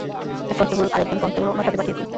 Head constable আর একজন constable, উানার সাথে পাঠিয়েছি।